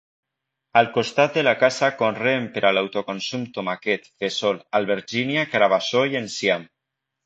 Al costat de la casa conreen per a l'autoconsum tomàquet, fesol, albergínia, carabassó i enciam.